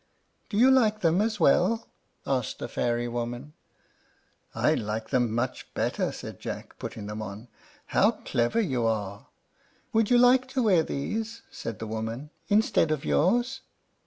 "Do you like them as well?" asked the fairy woman. "I like them much better," said Jack, putting them on. "How clever you are!" "Would you like to wear these," said the woman, "instead of yours?"